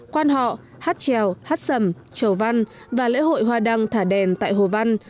quan họ hát trèo hát sầm chầu văn và lễ hội hoa đăng thả đèn tại hồ văn